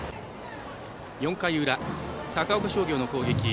４回裏、高岡商業の攻撃。